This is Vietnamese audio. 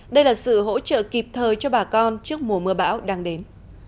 đây là sự hỗ trợ kịp thời cho bà con trước mùa mưa bão đang đến